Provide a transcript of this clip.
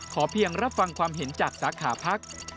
เพียงรับฟังความเห็นจากสาขาพัก